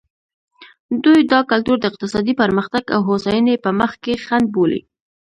دوی دا کلتور د اقتصادي پرمختګ او هوساینې په مخ کې خنډ بولي.